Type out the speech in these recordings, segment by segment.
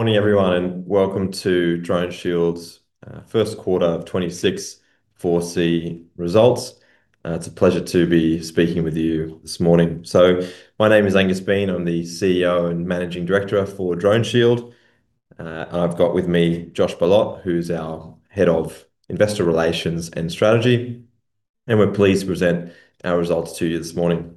Morning everyone, and welcome to DroneShield's first quarter of 2026 4C results. It's a pleasure to be speaking with you this morning. My name is Angus Bean. I'm the CEO and Managing Director for DroneShield. I've got with me Josh Bolot, who's our Head of Strategy and Investor Relations. We're pleased to present our results to you this morning.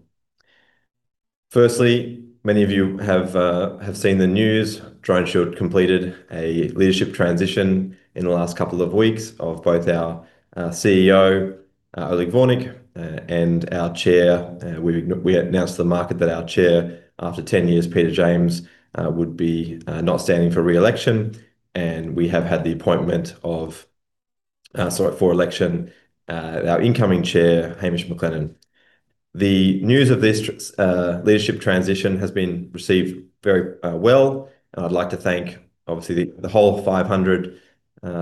Firstly, many of you have seen the news. DroneShield completed a leadership transition in the last couple of weeks of both our CEO, Oleg Vornik, and our chair. We announced to the market that our chair after 10 years, Peter James, would be not standing for reelection, and we have had the appointment for election, our incoming chair, Hamish McLennan. The news of this leadership transition has been received very well, and I'd like to thank obviously the whole 500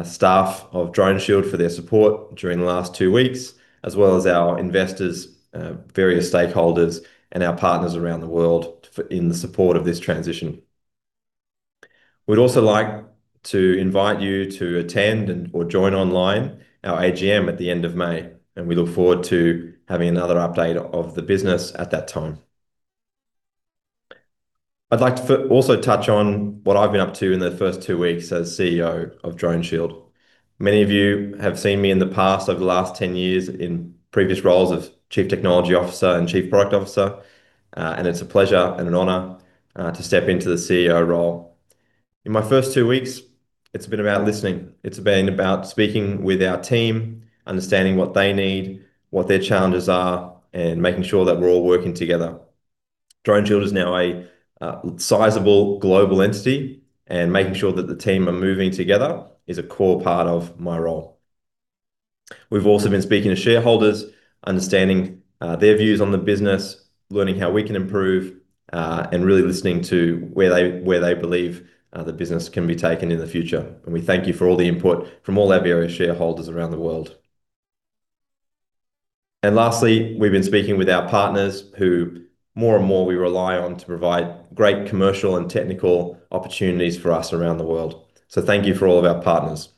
staff of DroneShield for their support during the last two weeks, as well as our investors, various stakeholders and our partners around the world in the support of this transition. We'd also like to invite you to attend or join online our AGM at the end of May, and we look forward to having another update of the business at that time. I'd like to also touch on what I've been up to in the first two weeks as CEO of DroneShield. Many of you have seen me in the past, over the last 10 years in previous roles of chief technology officer and chief product officer. It's a pleasure and an honor to step into the CEO role. In my first two weeks, it's been about listening. It's been about speaking with our team, understanding what they need, what their challenges are, and making sure that we're all working together. DroneShield is now a sizable global entity, and making sure that the team are moving together is a core part of my role. We've also been speaking to shareholders, understanding their views on the business, learning how we can improve, and really listening to where they believe the business can be taken in the future. We thank you for all the input from all our various shareholders around the world. Lastly, we've been speaking with our partners who more and more we rely on to provide great commercial and technical opportunities for us around the world. Thank you for all of our partners.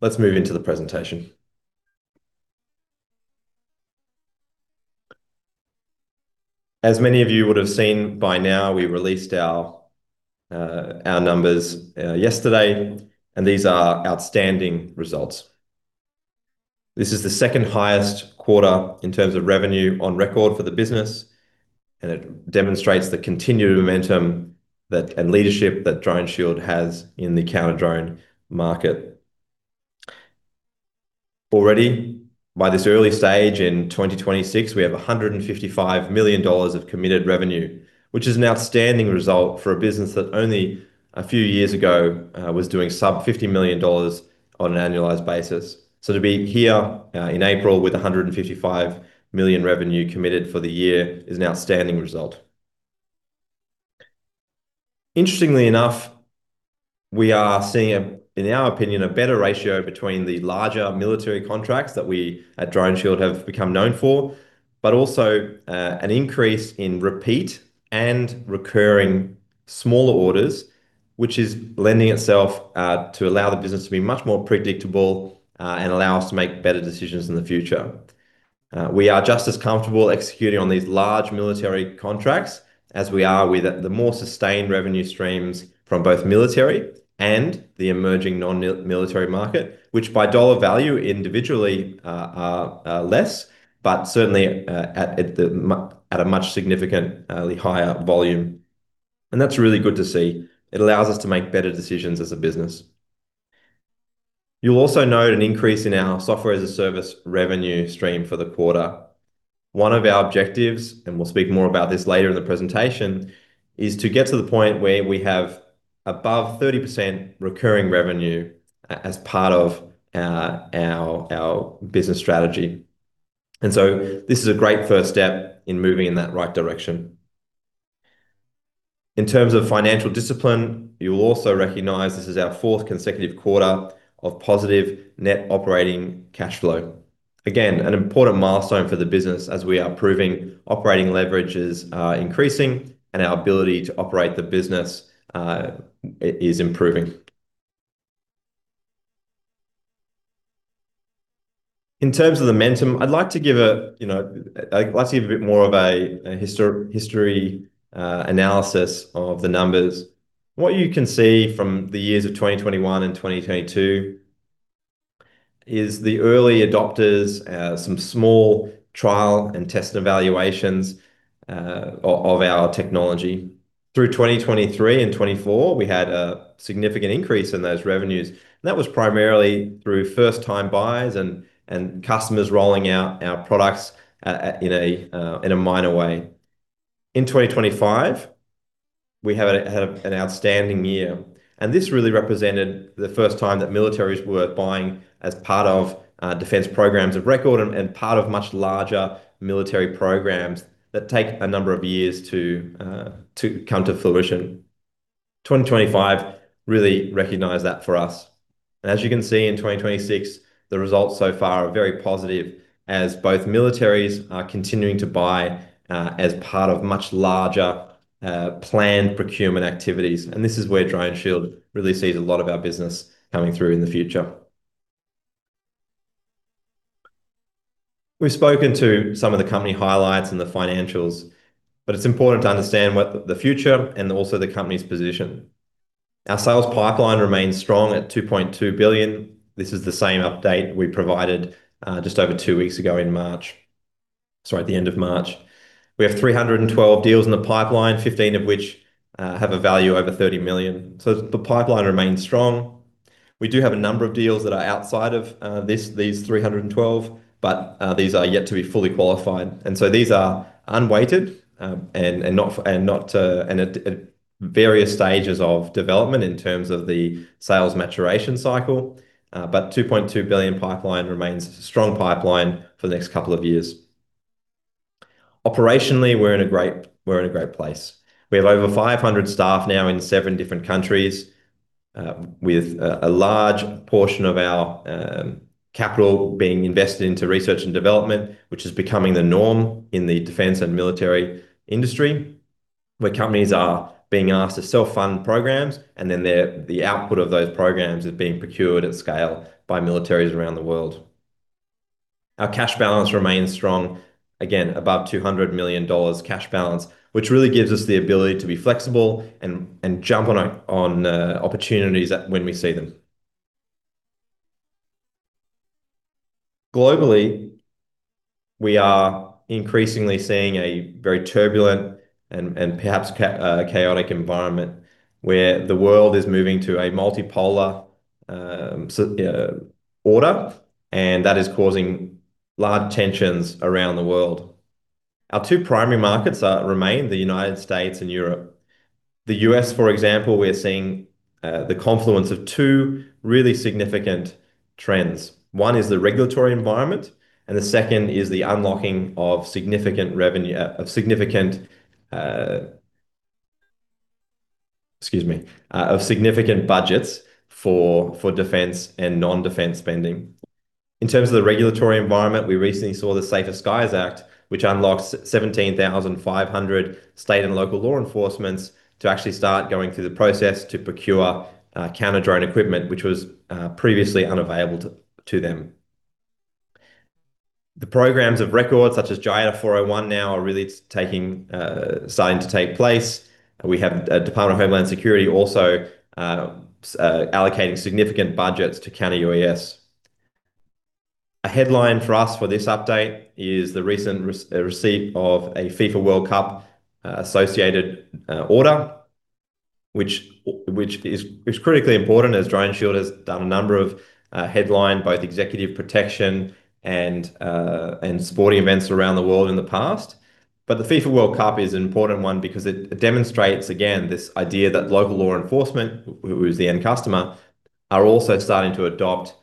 Let's move into the presentation. As many of you would've seen by now, we released our numbers yesterday, and these are outstanding results. This is the second highest quarter in terms of revenue on record for the business, and it demonstrates the continued momentum and leadership that DroneShield has in the counter-drone market. Already, by this early stage in 2026, we have $155 million of committed revenue, which is an outstanding result for a business that only a few years ago was doing sub $50 million on an annualized basis. To be here in April with 155 million revenue committed for the year is an outstanding result. Interestingly enough, we are seeing, in our opinion, a better ratio between the larger military contracts that we at DroneShield have become known for, but also, an increase in repeat and recurring smaller orders, which is lending itself, to allow the business to be much more predictable, and allow us to make better decisions in the future. We are just as comfortable executing on these large military contracts as we are with the more sustained revenue streams from both military and the emerging non-military market, which by dollar value individually are less, but certainly at a much significant higher volume. That's really good to see. It allows us to make better decisions as a business. You'll also note an increase in our software as a service revenue stream for the quarter. One of our objectives, and we'll speak more about this later in the presentation, is to get to the point where we have above 30% recurring revenue as part of our business strategy. This is a great first step in moving in that right direction. In terms of financial discipline, you'll also recognize this is our fourth consecutive quarter of positive net operating cash flow. Again, an important milestone for the business as we are proving operating leverage is increasing and our ability to operate the business is improving. In terms of momentum, I'd like to give a bit more of a history analysis of the numbers. What you can see from the years of 2021 and 2022 is the early adopters as some small trial and test evaluations of our technology. Through 2023 and 2024, we had a significant increase in those revenues that was primarily through first-time buyers and customers rolling out our products in a minor way. In 2025, we had an outstanding year, and this really represented the first time that militaries were buying as part of defense programs of record and part of much larger military programs that take a number of years to come to fruition, 2025 really recognized that for us. As you can see in 2026, the results so far are very positive as both militaries are continuing to buy as part of much larger planned procurement activities. This is where DroneShield really sees a lot of our business coming through in the future. We've spoken to some of the company highlights and the financials, but it's important to understand the future and also the company's position. Our sales pipeline remains strong at 2.2 billion. This is the same update we provided just over two weeks ago in March. Sorry, at the end of March. We have 312 deals in the pipeline, 15 of which have a value over 30 million. The pipeline remains strong. We do have a number of deals that are outside of these 312, but these are yet to be fully qualified. These are unweighted and at various stages of development in terms of the sales maturation cycle. 2.2 billion pipeline remains a strong pipeline for the next couple of years. Operationally, we're in a great place. We have over 500 staff now in seven different countries, with a large portion of our capital being invested into research and development, which is becoming the norm in the defense and military industry, where companies are being asked to self-fund programs, and then the output of those programs is being procured at scale by militaries around the world. Our cash balance remains strong, again, above 200 million dollars cash balance, which really gives us the ability to be flexible and jump on opportunities when we see them. Globally, we are increasingly seeing a very turbulent and perhaps a chaotic environment where the world is moving to a multipolar order, and that is causing large tensions around the world. Our two primary markets remain the United States and Europe. The U.S., for example, we're seeing the confluence of two really significant trends. One is the regulatory environment, and the second is the unlocking of significant revenue. Excuse me, of significant budgets for defense and non-defense spending. In terms of the regulatory environment, we recently saw the SAFER SKIES Act, which unlocks 17,500 state and local law enforcement to actually start going through the process to procure counter-drone equipment, which was previously unavailable to them. The programs of record such as JIATF 401 now are really starting to take place. We have Department of Homeland Security also allocating significant budgets to counter-UAS. A headline for us for this update is the recent receipt of a FIFA World Cup associated order, which is critically important as DroneShield has done a number of headline, both executive protection and sporting events around the world in the past. The FIFA World Cup is an important one because it demonstrates, again, this idea that local law enforcement, who is the end customer, are also starting to adopt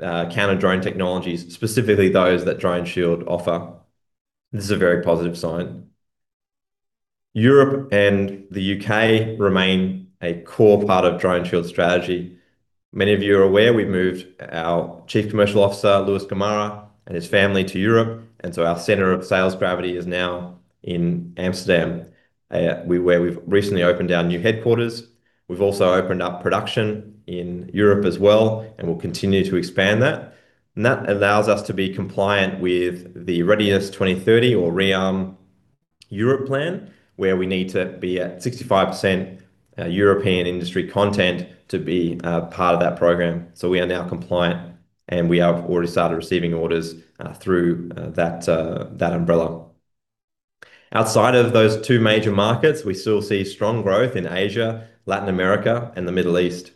counter-drone technologies, specifically those that DroneShield offer. This is a very positive sign. Europe and the U.K. remain a core part of DroneShield's strategy. Many of you are aware we've moved our Chief Commercial Officer, Louis Gamarra, and his family to Europe, and so our center of sales gravity is now in Amsterdam, where we've recently opened our new headquarters. We've also opened up production in Europe as well, and we'll continue to expand that. That allows us to be compliant with the Readiness 2030 or ReArm Europe plan, where we need to be at 65% European industry content to be a part of that program. We are now compliant and we have already started receiving orders through that umbrella. Outside of those two major markets, we still see strong growth in Asia, Latin America, and the Middle East.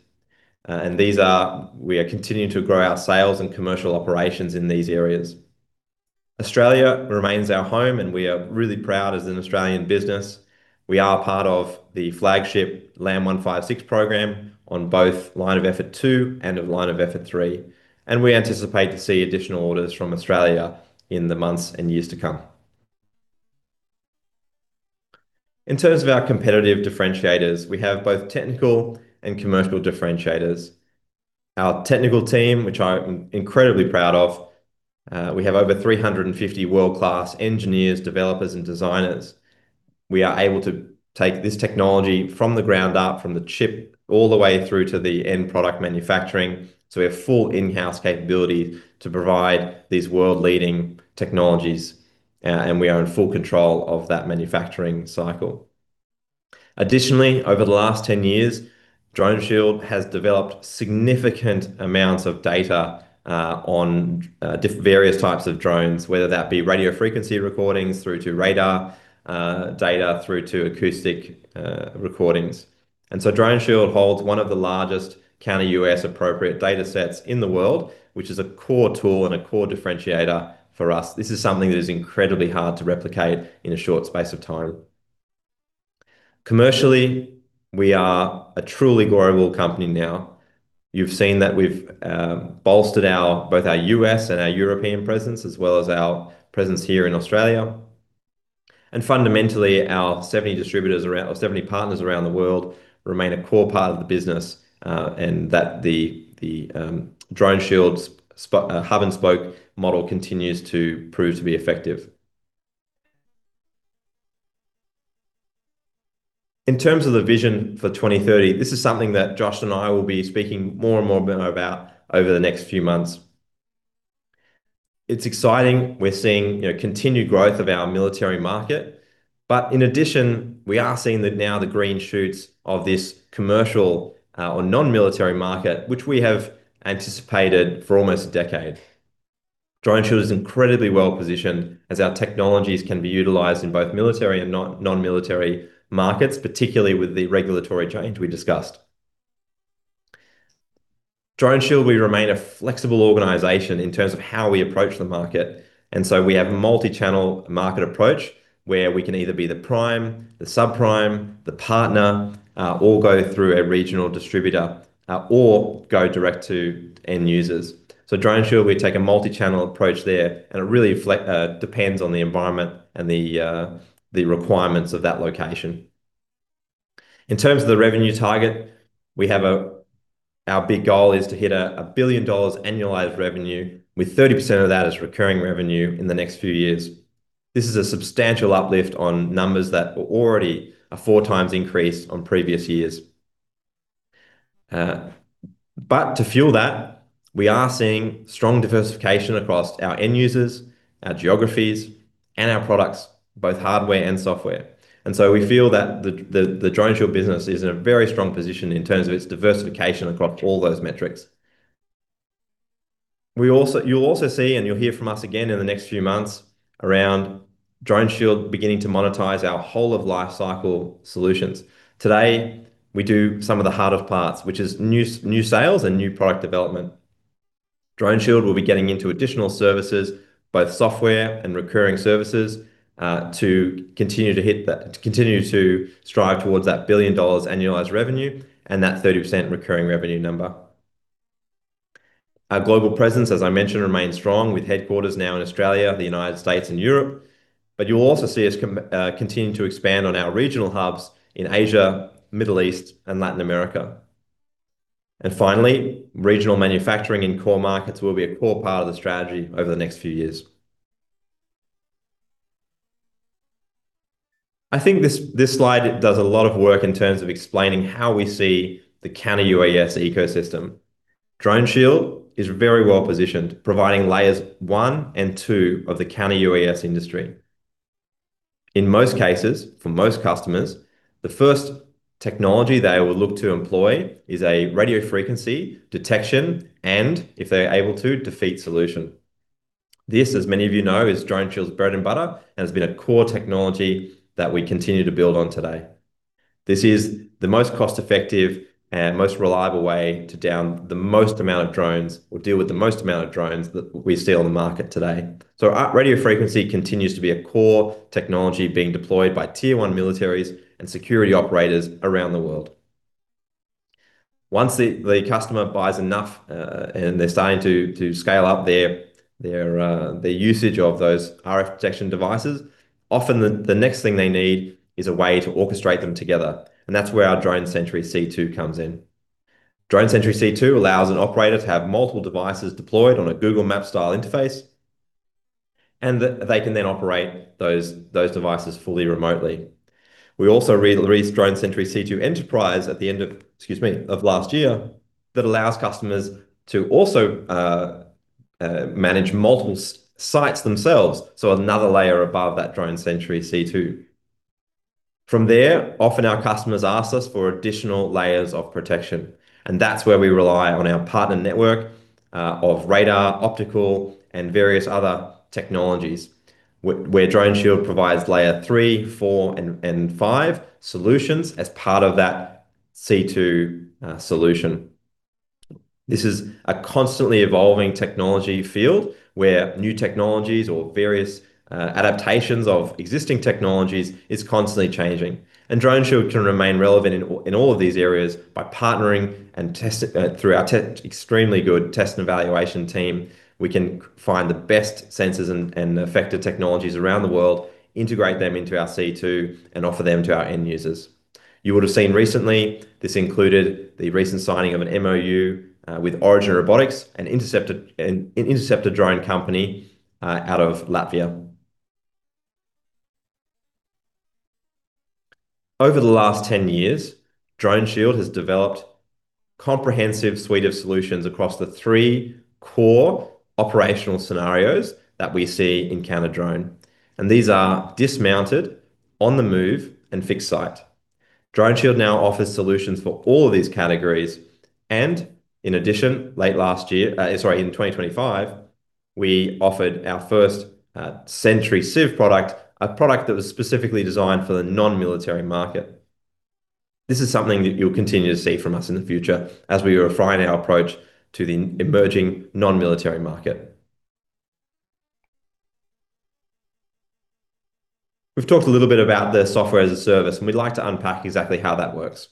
We are continuing to grow our sales and commercial operations in these areas. Australia remains our home and we are really proud as an Australian business. We are a part of the flagship LAND 156 program on both line of effort two and line of effort three, and we anticipate to see additional orders from Australia in the months and years to come. In terms of our competitive differentiators, we have both technical and commercial differentiators. Our technical team, which I'm incredibly proud of, we have over 350 world-class engineers, developers, and designers. We are able to take this technology from the ground up, from the chip, all the way through to the end product manufacturing. We have full in-house capability to provide these world-leading technologies, and we are in full control of that manufacturing cycle. Additionally, over the last 10 years, DroneShield has developed significant amounts of data on various types of drones, whether that be radio frequency recordings through to radar data through to acoustic recordings. DroneShield holds one of the largest counter-UAS appropriate datasets in the world, which is a core tool and a core differentiator for us. This is something that is incredibly hard to replicate in a short space of time. Commercially, we are a truly global company now. You've seen that we've bolstered both our U.S. and our European presence, as well as our presence here in Australia. Fundamentally, our 70 partners around the world remain a core part of the business, and that DroneShield's hub and spoke model continues to prove to be effective. In terms of the vision for 2030, this is something that Josh and I will be speaking more and more about over the next few months. It's exciting. We're seeing continued growth of our military market. In addition, we are seeing now the green shoots of this commercial or non-military market, which we have anticipated for almost a decade. DroneShield is incredibly well-positioned, as our technologies can be utilized in both military and non-military markets, particularly with the regulatory change we discussed. DroneShield, we remain a flexible organization in terms of how we approach the market, and so we have a multi-channel market approach where we can either be the prime, the subprime, the partner, or go through a regional distributor, or go direct to end users. DroneShield, we take a multi-channel approach there, and it really depends on the environment and the requirements of that location. In terms of the revenue target, our big goal is to hit $1 billion annualized revenue with 30% of that as recurring revenue in the next few years. This is a substantial uplift on numbers that were already a 4x increase on previous years. To fuel that, we are seeing strong diversification across our end users, our geographies, and our products, both hardware and software. We feel that the DroneShield business is in a very strong position in terms of its diversification across all those metrics. You'll also see, and you'll hear from us again in the next few months, around DroneShield beginning to monetize our whole of lifecycle solutions. Today, we do some of the hard parts, which is new sales and new product development. DroneShield will be getting into additional services, both software and recurring services, to continue to strive towards that 1 billion dollars annualized revenue and that 30% recurring revenue number. Our global presence, as I mentioned, remains strong with headquarters now in Australia, the United States, and Europe. You'll also see us continue to expand on our regional hubs in Asia, Middle East, and Latin America. Finally, regional manufacturing in core markets will be a core part of the strategy over the next few years. I think this slide does a lot of work in terms of explaining how we see the Counter-UAS ecosystem. DroneShield is very well-positioned, providing layers one and two of the Counter-UAS industry. In most cases, for most customers, the first technology they will look to employ is a radio frequency detection, and if they're able to, defeat solution. This, as many of you know, is DroneShield's bread and butter and has been a core technology that we continue to build on today. This is the most cost-effective and most reliable way to down the most amount of drones or deal with the most amount of drones that we see on the market today. Radio frequency continues to be a core technology being deployed by tier one militaries and security operators around the world. Once the customer buys enough, and they're starting to scale up their usage of those RF detection devices, often the next thing they need is a way to orchestrate them together, and that's where our DroneSentry-C2 comes in. DroneSentry-C2 allows an operator to have multiple devices deployed on a Google Maps-style interface, and they can then operate those devices fully remotely. We also released DroneSentry-C2 Enterprise at the end of, excuse me, last year that allows customers to also manage multiple sites themselves. Another layer above that DroneSentry-C2. From there, often our customers ask us for additional layers of protection, and that's where we rely on our partner network of radar, optical, and various other technologies, where DroneShield provides layer three, four, and five solutions as part of that C2 solution. This is a constantly evolving technology field where new technologies or various adaptations of existing technologies is constantly changing. DroneShield can remain relevant in all of these areas by partnering, and through our extremely good test and evaluation team, we can find the best sensors and effective technologies around the world, integrate them into our C2, and offer them to our end users. You would have seen recently. This included the recent signing of an MOU with Origin Robotics and Interceptor Drone company out of Latvia. Over the last 10 years, DroneShield has developed comprehensive suite of solutions across the three core operational scenarios that we see in counter-drone, and these are dismounted, on the move, and fixed site. DroneShield now offers solutions for all of these categories, and in addition, in 2025, we offered our first SentryCiv product, a product that was specifically designed for the non-military market. This is something that you'll continue to see from us in the future as we refine our approach to the emerging non-military market. We've talked a little bit about the software as a service, and we'd like to unpack exactly how that works.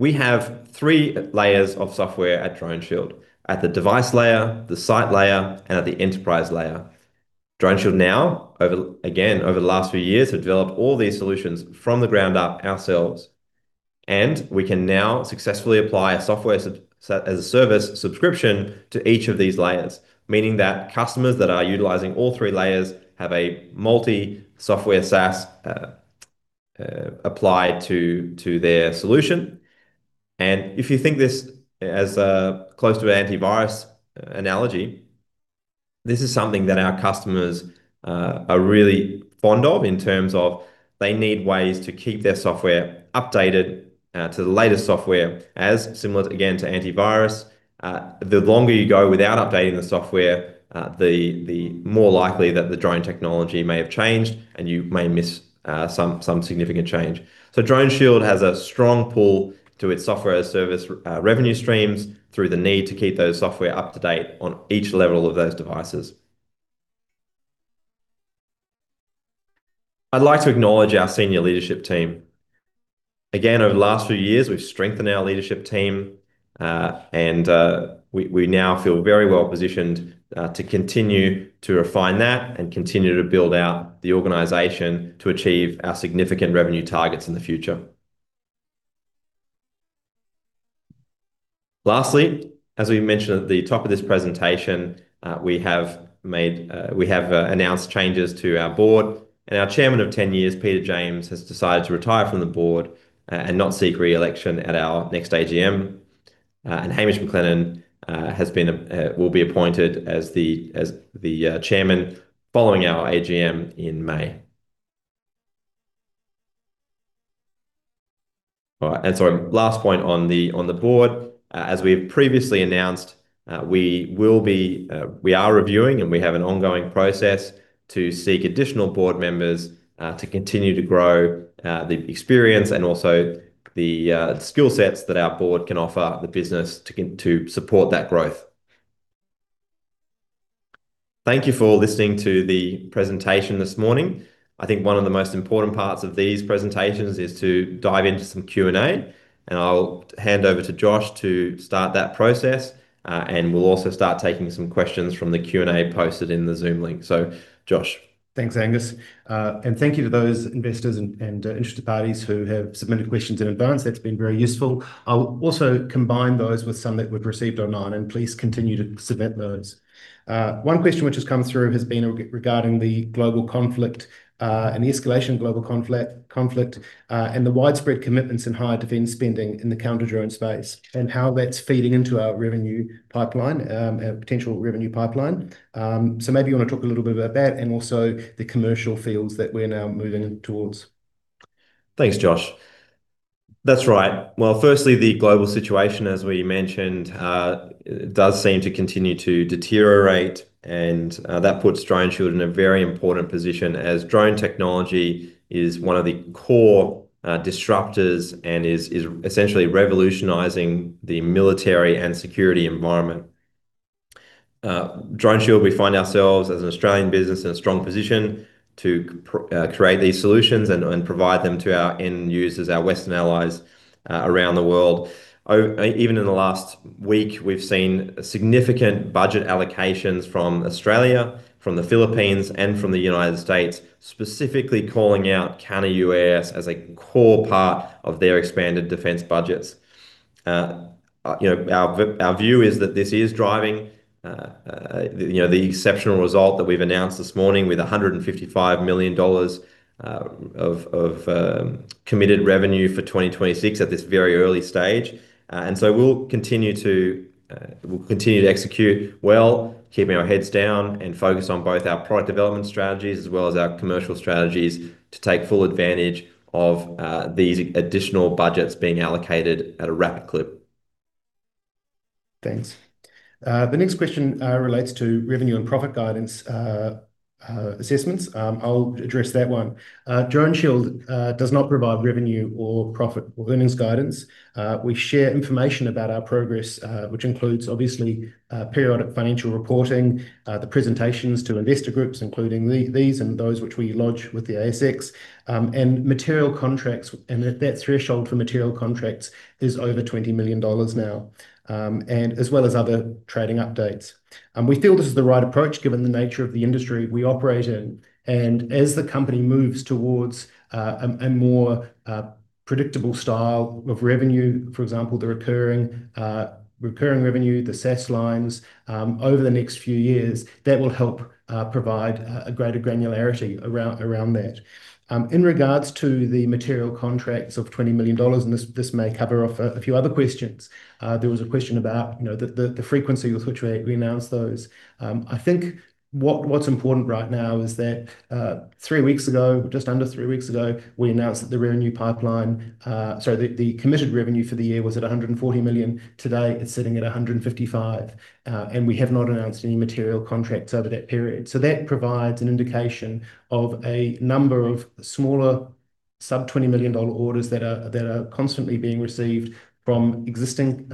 We have three layers of software at DroneShield. At the device layer, the site layer, and at the enterprise layer. DroneShield now, again, over the last few years have developed all these solutions from the ground up ourselves, and we can now successfully apply a software as a service subscription to each of these layers. Meaning that customers that are utilizing all three layers have a multi-software SaaS applied to their solution. If you think this as a close to antivirus analogy, this is something that our customers are really fond of in terms of they need ways to keep their software updated to the latest software as similar, again, to antivirus. The longer you go without updating the software, the more likely that the drone technology may have changed, and you may miss some significant change. DroneShield has a strong pull to its software-as-a-service revenue streams through the need to keep those software up to date on each level of those devices. I'd like to acknowledge our senior leadership team. Again, over the last few years, we've strengthened our leadership team, and we now feel very well-positioned to continue to refine that and continue to build out the organization to achieve our significant revenue targets in the future. Lastly, as we mentioned at the top of this presentation, we have announced changes to our board, and our Chairman of 10 years, Peter James, has decided to retire from the board and not seek re-election at our next AGM. Hamish McLennan will be appointed as the Chairman following our AGM in May. All right. Last point on the board. As we have previously announced, we are reviewing and we have an ongoing process to seek additional board members to continue to grow the experience and also the skill sets that our board can offer the business to support that growth. Thank you for listening to the presentation this morning. I think one of the most important parts of these presentations is to dive into some Q&A, and I'll hand over to Josh to start that process. We'll also start taking some questions from the Q&A posted in the Zoom link. Josh. Thanks, Angus. Thank you to those investors and interested parties who have submitted questions in advance. That's been very useful. I'll also combine those with some that we've received online, and please continue to submit those. One question which has come through has been regarding the global conflict, and the escalation of global conflict, and the widespread commitments in higher defense spending in the counter-drone space, and how that's feeding into our potential revenue pipeline. Maybe you want to talk a little bit about that and also the commercial fields that we're now moving towards. Thanks, Josh. That's right. Well, firstly, the global situation, as we mentioned, does seem to continue to deteriorate and that puts DroneShield in a very important position as drone technology is one of the core disruptors and is essentially revolutionizing the military and security environment. DroneShield, we find ourselves as an Australian business in a strong position to create these solutions and provide them to our end users, our Western allies around the world. Even in the last week, we've seen significant budget allocations from Australia, from the Philippines, and from the United States, specifically calling out Counter-UAS as a core part of their expanded defense budgets. Our view is that this is driving the exceptional result that we've announced this morning with $155 million of committed revenue for 2026 at this very early stage. We'll continue to execute well, keeping our heads down and focus on both our product development strategies as well as our commercial strategies to take full advantage of these additional budgets being allocated at a rapid clip. Thanks. The next question relates to revenue and profit guidance assessments. I'll address that one. DroneShield does not provide revenue or profit or earnings guidance. We share information about our progress, which includes obviously, periodic financial reporting, the presentations to investor groups, including these and those which we lodge with the ASX, and material contracts, and that threshold for material contracts is over 20 million dollars now, and as well as other trading updates. We feel this is the right approach given the nature of the industry we operate in. As the company moves towards a more predictable style of revenue, for example, the recurring revenue, the SaaS lines, over the next few years, that will help provide a greater granularity around that. In regards to the material contracts of 20 million dollars, and this may cover off a few other questions. There was a question about the frequency with which we announce those. I think what's important right now is that three weeks ago, just under three weeks ago, we announced that the committed revenue for the year was at $140 million. Today, it's sitting at $155 million, and we have not announced any material contracts over that period. That provides an indication of a number of smaller sub-$20 million orders that are constantly being received from existing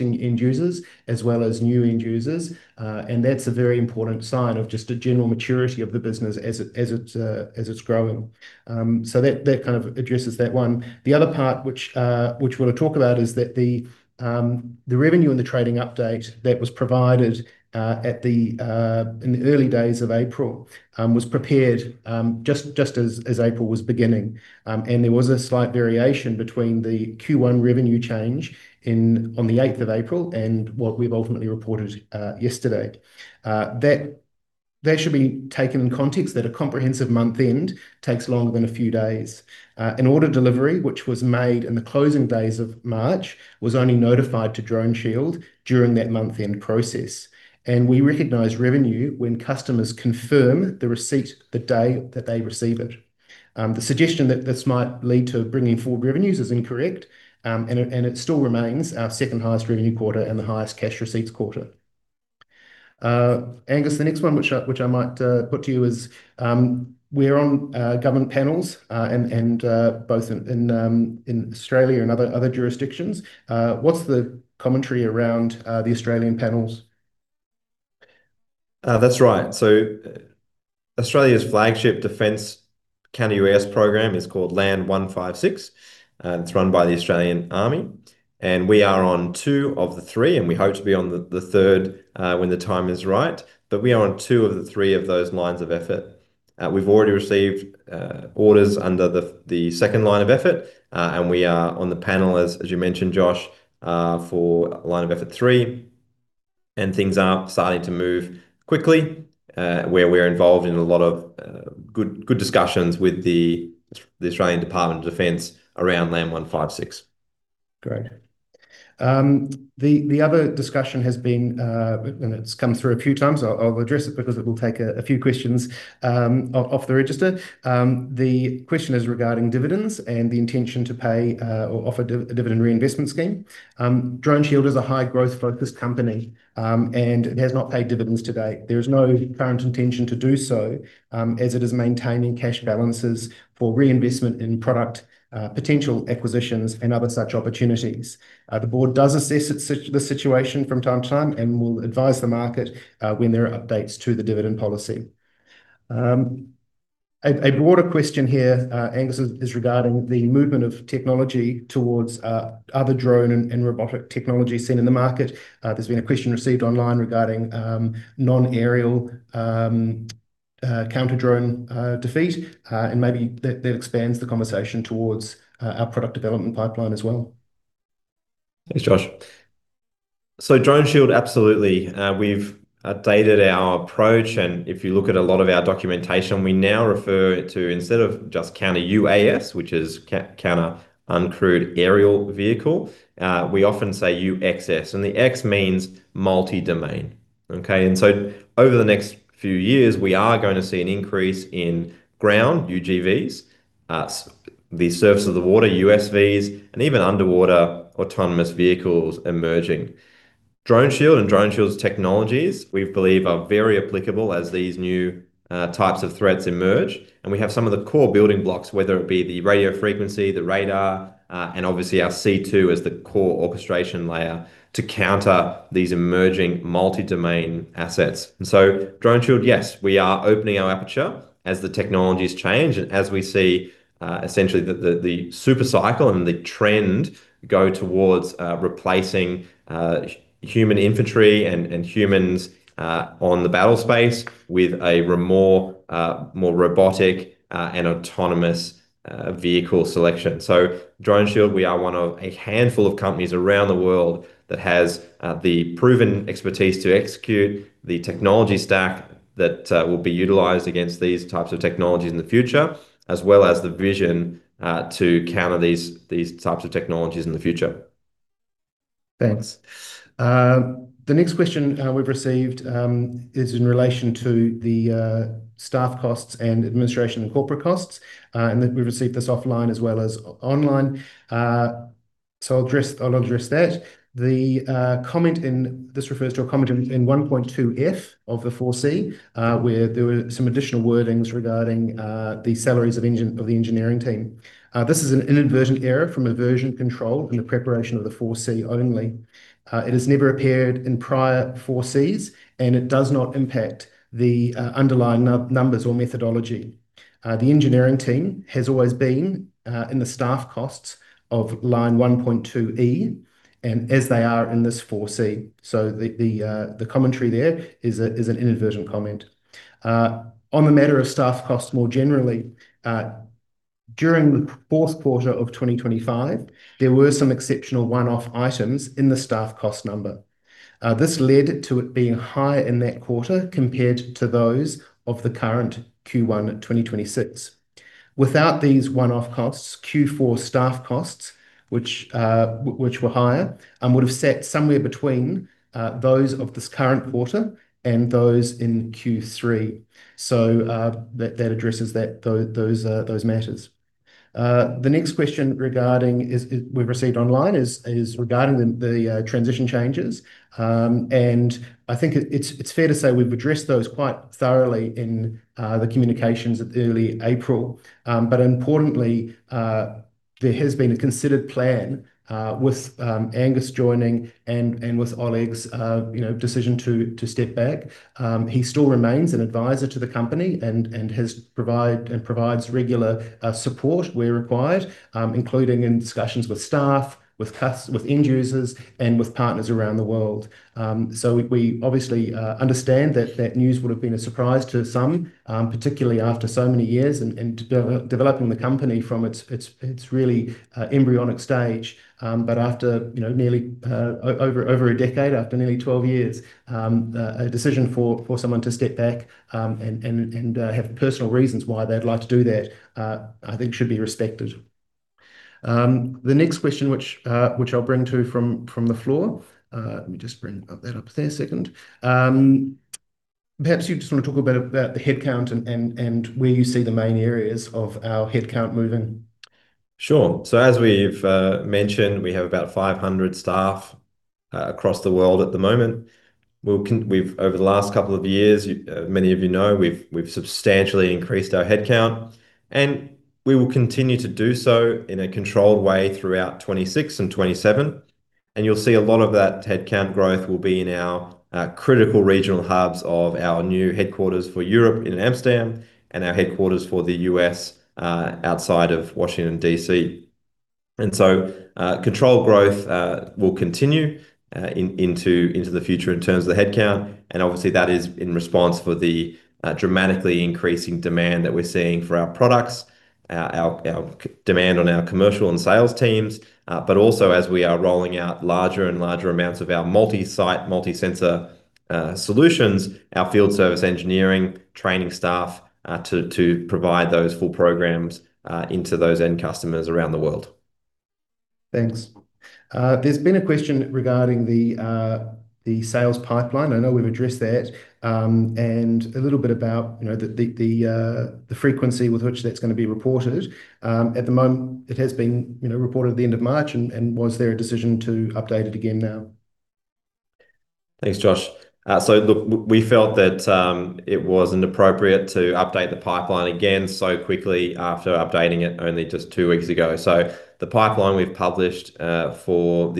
end users as well as new end users. That's a very important sign of just a general maturity of the business as it's growing. That kind of addresses that one. The other part which we'll talk about is that the revenue in the trading update that was provided in the early days of April was prepared just as April was beginning. There was a slight variation between the Q1 revenue change on the eighth of April and what we've ultimately reported yesterday. That should be taken in context that a comprehensive month end takes longer than a few days. An order delivery, which was made in the closing days of March, was only notified to DroneShield during that month-end process. We recognize revenue when customers confirm the receipt the day that they receive it. The suggestion that this might lead to bringing forward revenues is incorrect, and it still remains our second highest revenue quarter and the highest cash receipts quarter. Angus, the next one which I might put to you is, we're on government panels both in Australia and other jurisdictions. What's the commentary around the Australian panels? That's right. Australia's flagship defense Counter-UAS program is called LAND 156, and it's run by the Australian Army, and we are on two of the three, and we hope to be on the third, when the time is right. We are on two of the three of those lines of effort. We've already received orders under the second line of effort. We are on the panel, as you mentioned, Josh, for line of effort three, and things are starting to move quickly, where we're involved in a lot of good discussions with the Australian Department of Defense around LAND 156. Great. The other discussion has been, and it's come through a few times. I'll address it because it will take a few questions off the register. The question is regarding dividends and the intention to pay or offer a dividend reinvestment scheme. DroneShield is a high growth focused company, and it has not paid dividends to date. There is no current intention to do so, as it is maintaining cash balances for reinvestment in product, potential acquisitions and other such opportunities. The board does assess the situation from time to time and will advise the market when there are updates to the dividend policy. A broader question here, Angus, is regarding the movement of technology towards other drone and robotic technologies seen in the market. There's been a question received online regarding non-aerial counter-drone defeat. Maybe that expands the conversation towards our product development pipeline as well. Thanks, Josh. DroneShield, absolutely, we've updated our approach and if you look at a lot of our documentation, we now refer to, instead of just counter UAS, which is counter uncrewed aerial vehicle, we often say UXS. The X means multi-domain. Okay. Over the next few years we are going to see an increase in ground UGVs, the surface of the water, USVs, and even underwater autonomous vehicles emerging. DroneShield and DroneShield's technologies, we believe, are very applicable as these new types of threats emerge. We have some of the core building blocks, whether it be the radio frequency, the radar, and obviously our C2 as the core orchestration layer to counter these emerging multi-domain assets. DroneShield, yes, we are opening our aperture as the technologies change and as we see, essentially, the super cycle and the trend go towards replacing human infantry and humans on the battle space with a more robotic and autonomous vehicle selection. DroneShield, we are one of a handful of companies around the world that has the proven expertise to execute the technology stack that will be utilized against these types of technologies in the future, as well as the vision to counter these types of technologies in the future. Thanks. The next question we've received is in relation to the staff costs and administration and corporate costs, and that we've received this offline as well as online. I'll address that. This refers to a comment in 1.2F of the 4C, where there were some additional wordings regarding the salaries of the engineering team. This is an inadvertent error from a version control in the preparation of the 4C only. It has never appeared in prior 4Cs, and it does not impact the underlying numbers or methodology. The engineering team has always been in the staff costs of line 1.2E and as they are in this 4C. The commentary there is an inadvertent comment. On the matter of staff costs more generally, during the fourth quarter of 2025, there were some exceptional one-off items in the staff cost number. This led to it being higher in that quarter compared to those of the current Q1 2026. Without these one-off costs, Q4 staff costs, which were higher, would've sat somewhere between those of this current quarter and those in Q3. That addresses those matters. The next question we've received online is regarding the transition changes. I think it's fair to say we've addressed those quite thoroughly in early April. Importantly, there has been a considered plan with Angus joining and with Oleg's decision to step back. He still remains an advisor to the company and provides regular support where required, including in discussions with staff, with end users, and with partners around the world. We obviously understand that that news would have been a surprise to some, particularly after so many years and developing the company from its really embryonic stage. After over a decade, after nearly 12 years, a decision for someone to step back and have personal reasons why they'd like to do that, I think should be respected. The next question, which I'll bring to you from the floor. Let me just bring that up there a second. Perhaps you just want to talk a bit about the headcount and where you see the main areas of our headcount moving. Sure. As we've mentioned, we have about 500 staff across the world at the moment. Over the last couple of years, many of you know, we've substantially increased our headcount, and we will continue to do so in a controlled way throughout 2026 and 2027. You'll see a lot of that headcount growth will be in our critical regional hubs of our new headquarters for Europe in Amsterdam and our headquarters for the U.S. outside of Washington, D.C. Controlled growth will continue into the future in terms of the headcount, and obviously that is in response to the dramatically increasing demand that we're seeing for our products, our demand on our commercial and sales teams, but also as we are rolling out larger and larger amounts of our multi-site, multi-sensor solutions, our field service engineering, training staff to provide those full programs into those end customers around the world. Thanks. There's been a question regarding the sales pipeline. I know we've addressed that, and a little bit about the frequency with which that's going to be reported. At the moment, it has been reported at the end of March, and was there a decision to update it again now? Thanks, Josh. Look, we felt that it wasn't appropriate to update the pipeline again so quickly after updating it only just two weeks ago. The pipeline we've published for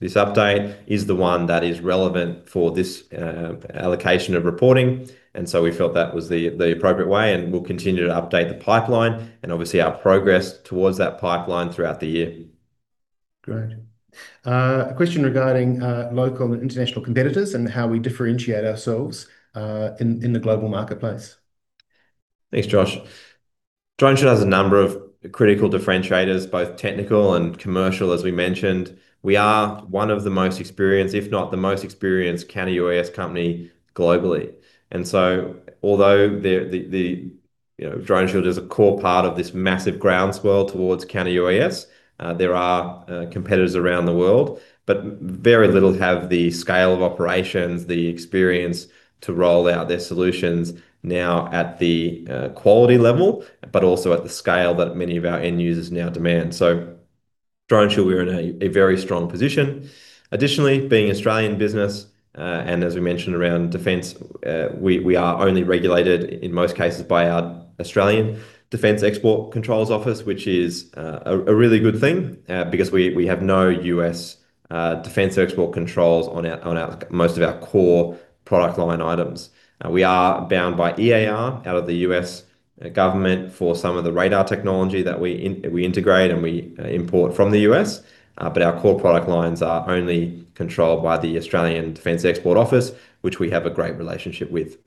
this update is the one that is relevant for this allocation of reporting, and so we felt that was the appropriate way and we'll continue to update the pipeline and obviously our progress towards that pipeline throughout the year. Great. A question regarding local and international competitors and how we differentiate ourselves in the global marketplace. Thanks, Josh. DroneShield has a number of critical differentiators, both technical and commercial, as we mentioned. We are one of the most experienced, if not the most experienced, Counter-UAS company globally. Although DroneShield is a core part of this massive groundswell towards Counter-UAS, there are competitors around the world, but very little have the scale of operations, the experience to roll out their solutions now at the quality level, but also at the scale that many of our end users now demand. DroneShield, we're in a very strong position. Additionally, being an Australian business, and as we mentioned around defense, we are only regulated in most cases by our Australian Defence Export Controls Office, which is a really good thing, because we have no U.S. defense export controls on most of our core product line items. We are bound by EAR out of the U.S. government for some of the radar technology that we integrate and we import from the U.S. Our core product lines are only controlled by the Australian Defence Export Controls, which we have a great relationship with.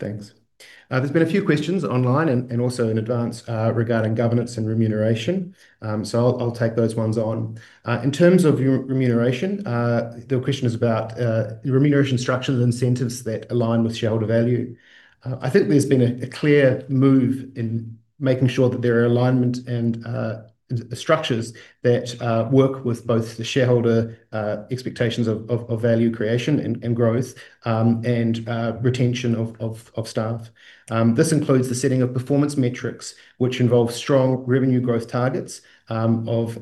Thanks. There's been a few questions online and also in advance regarding governance and remuneration. I'll take those ones on. In terms of your remuneration, the question is about remuneration structures and incentives that align with shareholder value. I think there's been a clear move in making sure that there are alignment and structures that work with both the shareholder expectations of value creation and growth, and retention of staff. This includes the setting of performance metrics, which involve strong revenue growth targets of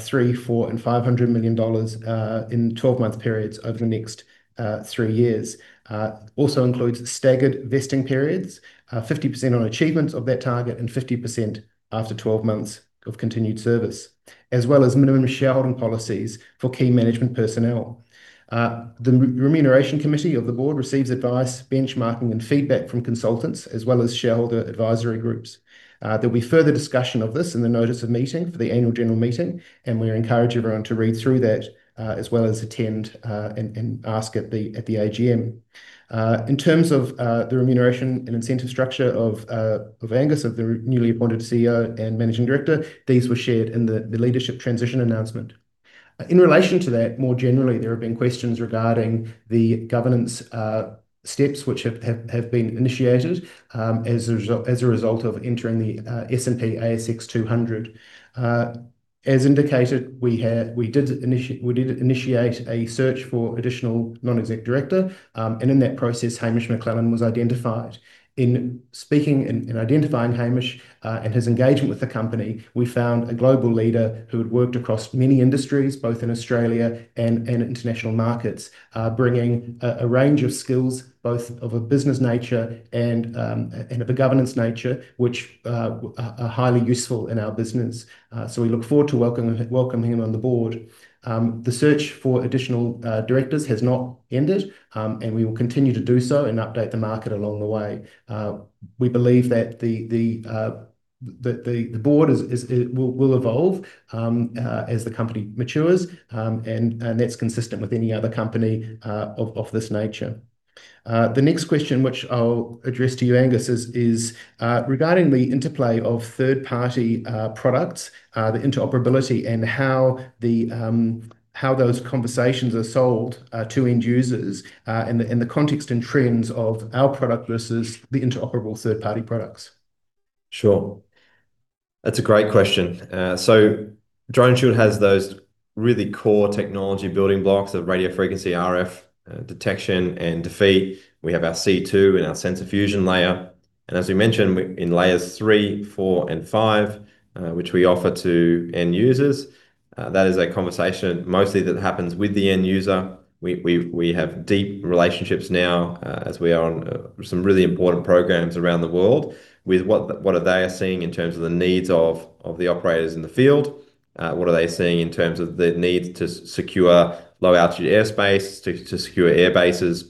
300 million, 400 million, and 500 million dollars in 12-month periods over the next three years. It also includes staggered vesting periods, 50% on achievements of that target and 50% after 12 months of continued service, as well as minimum shareholding policies for key management personnel. The remuneration committee of the board receives advice, benchmarking, and feedback from consultants, as well as shareholder advisory groups. There'll be further discussion of this in the notice of meeting for the annual general meeting, and we encourage everyone to read through that, as well as attend and ask at the AGM. In terms of the remuneration and incentive structure of Angus, of the newly appointed CEO and Managing Director, these were shared in the leadership transition announcement. In relation to that, more generally, there have been questions regarding the governance steps which have been initiated as a result of entering the S&P/ASX 200. As indicated, we did initiate a search for additional non-exec director, and in that process, Hamish McLennan was identified. In speaking and identifying Hamish, and his engagement with the company, we found a global leader who had worked across many industries, both in Australia and international markets, bringing a range of skills, both of a business nature and of a governance nature, which are highly useful in our business. We look forward to welcoming him on the board. The search for additional directors has not ended, and we will continue to do so and update the market along the way. We believe that the board will evolve as the company matures, and that's consistent with any other company of this nature. The next question, which I'll address to you, Angus, is regarding the interplay of third-party products, the interoperability, and how those conversations are sold to end users in the context and trends of our product versus the interoperable third-party products. Sure. That's a great question. DroneShield has those really core technology building blocks of radio frequency, RF, detection and defeat. We have our C2 and our sensor fusion layer. As we mentioned, in layers three, four, and five, which we offer to end users, that is a conversation mostly that happens with the end user. We have deep relationships now, as we are on some really important programs around the world, with what are they seeing in terms of the needs of the operators in the field. What are they seeing in terms of the need to secure low-altitude airspace, to secure airbases.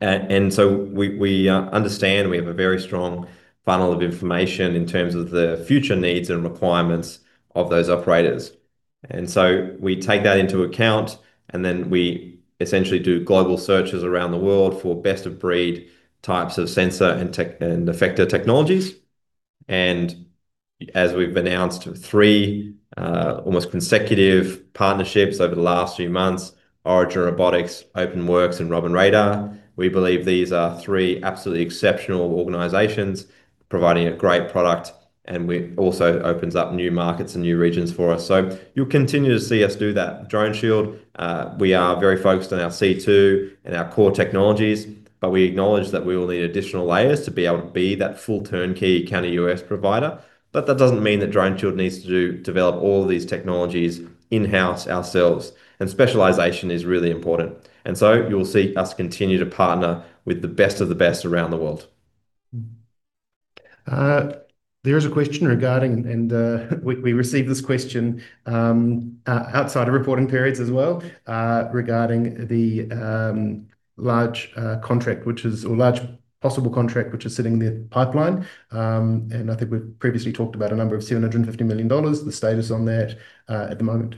We understand, we have a very strong funnel of information in terms of the future needs and requirements of those operators. We take that into account, and then we essentially do global searches around the world for best-of-breed types of sensor and effector technologies. As we've announced three almost consecutive partnerships over the last few months, Origin Robotics, OpenWorks, and Robin Radar. We believe these are three absolutely exceptional organizations providing a great product, and also opens up new markets and new regions for us. You'll continue to see us do that. DroneShield, we are very focused on our C2 and our core technologies, but we acknowledge that we will need additional layers to be able to be that full turnkey Counter-UAS provider. But that doesn't mean that DroneShield needs to develop all these technologies in-house ourselves, and specialization is really important. You will see us continue to partner with the best of the best around the world. There is a question regarding, and we receive this question outside of reporting periods as well, regarding the large contract, or large possible contract, which is sitting in the pipeline. I think we've previously talked about a number of $750 million, the status on that at the moment.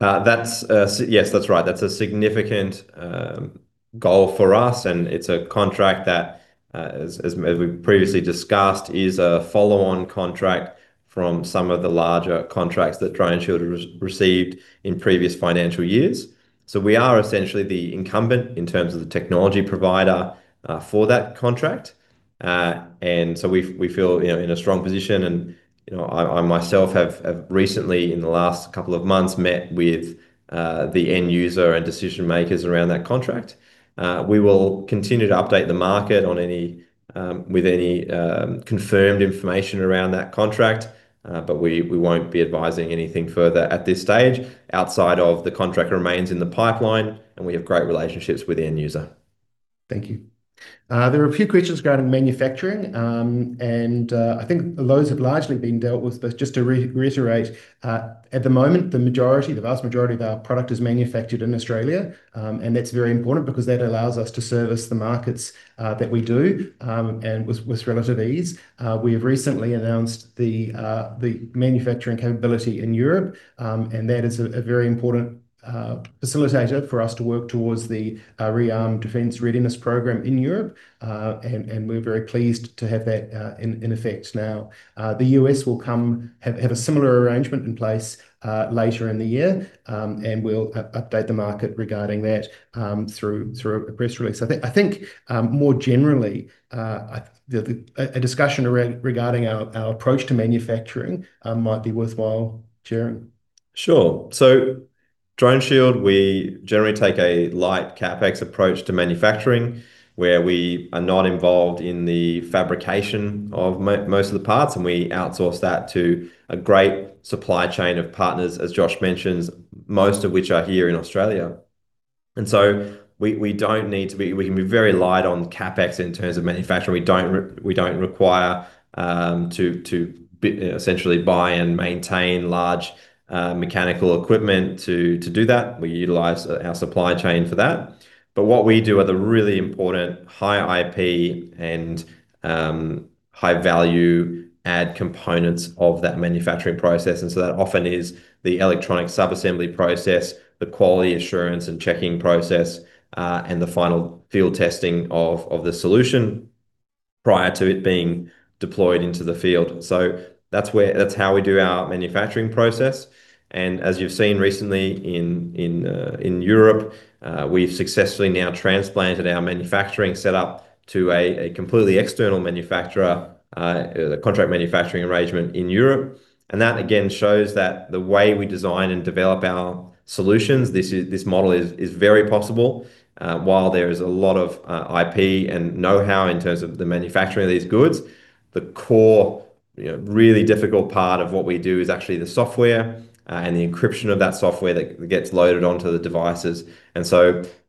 Yes, that's right. That's a significant goal for us, and it's a contract that, as we previously discussed, is a follow-on contract from some of the larger contracts that DroneShield received in previous financial years. We are essentially the incumbent in terms of the technology provider for that contract. We feel in a strong position, and I myself have recently, in the last couple of months, met with the end user and decision-makers around that contract. We will continue to update the market with any confirmed information around that contract. We won't be advising anything further at this stage outside of the contract remains in the pipeline, and we have great relationships with the end user. Thank you. There are a few questions regarding manufacturing, and I think those have largely been dealt with. Just to reiterate, at the moment, the vast majority of our product is manufactured in Australia, and that's very important because that allows us to service the markets that we do, and with relative ease. We have recently announced the manufacturing capability in Europe, and that is a very important facilitator for us to work towards the ReArm Defense Readiness Program in Europe. We're very pleased to have that in effect now. The U.S. will have a similar arrangement in place later in the year, and we'll update the market regarding that through a press release. I think more generally, a discussion regarding our approach to manufacturing might be worthwhile chain. Sure. DroneShield, we generally take a light CapEx approach to manufacturing, where we are not involved in the fabrication of most of the parts, and we outsource that to a great supply chain of partners, as Josh mentioned, most of which are here in Australia. We can be very light on CapEx in terms of manufacturing. We don't require to essentially buy and maintain large mechanical equipment to do that. We utilize our supply chain for that. What we do are the really important high IP and high value add components of that manufacturing process, and that often is the electronic sub-assembly process, the quality assurance and checking process, and the final field testing of the solution prior to it being deployed into the field. That's how we do our manufacturing process. As you've seen recently in Europe, we've successfully now transplanted our manufacturing set up to a completely external manufacturer, the contract manufacturing arrangement in Europe. That, again, shows that the way we design and develop our solutions, this model is very possible. While there is a lot of IP and knowhow in terms of the manufacturing of these goods, the core really difficult part of what we do is actually the software and the encryption of that software that gets loaded onto the devices.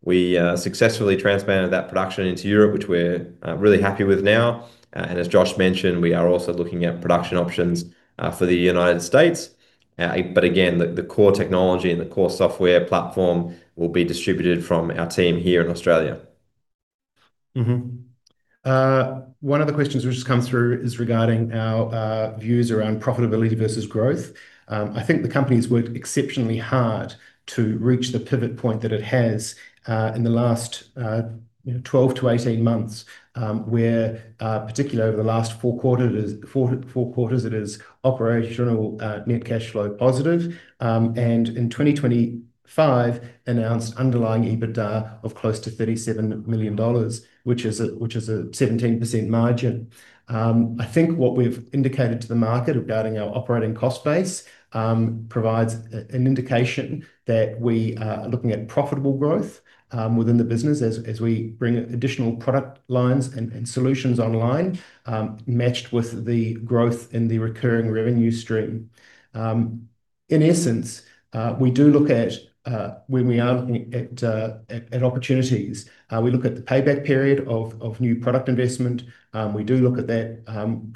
We successfully transplanted that production into Europe, which we're really happy with now. As Josh mentioned, we are also looking at production options for the United States. Again, the core technology and the core software platform will be distributed from our team here in Australia. One of the questions which has come through is regarding our views around profitability versus growth. I think the company's worked exceptionally hard to reach the pivot point that it has in the last 12-18 months, where, particularly over the last four quarters, it is operational net cash flow positive. In 2025, announced underlying EBITDA of close to 37 million dollars, which is a 17% margin. I think what we've indicated to the market regarding our operating cost base provides an indication that we are looking at profitable growth within the business as we bring additional product lines and solutions online, matched with the growth in the recurring revenue stream. In essence, when we are looking at opportunities, we look at the payback period of new product investment. We do look at that